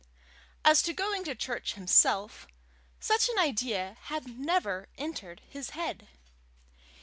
As to going to church himself, such an idea had never entered his head.